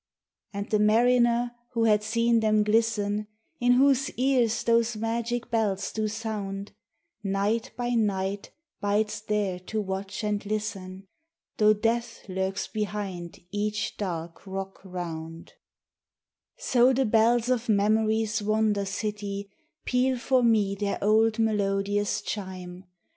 And the mariner who had seen them glisten, In whose ears those magic bells do sound, Night by night bides thereto watch and listen, Though death lurks behind each dark rock round So the bells of memory's wonder city Peal for me their old melodious chime